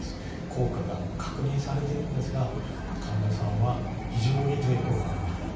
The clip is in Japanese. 効果が確認されているんですが患者さんは非常に抵抗感がある。